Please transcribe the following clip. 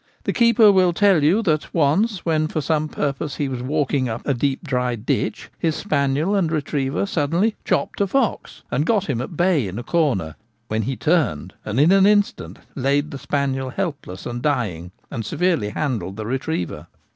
The keeper will tell you that once when for some purpose he was walking up a deep dry ditch his spaniel and retriever suddenly ' chopped ' a fox, and got him at bay in a corner, when he turned, and in an instant laid the spaniel helpless and dying and severely handled the retriever.